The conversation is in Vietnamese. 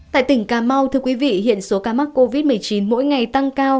tại tỉnh cà mau hiện số ca mắc covid một mươi chín mỗi ngày tăng cao